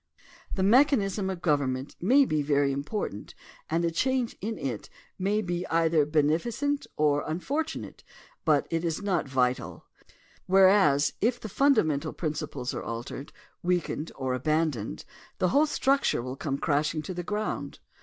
The mechan ism of government may be very important and a change in it may be either beneficent or imfortunate, but it is not vital, whereas, if the fundamental principles are altered, weakened, or abandoned the whole structure will come crashing to the ground.